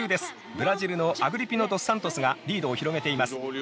ブラジルのアグリピノドスサントスがリードを広げています。